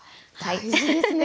大事ですね。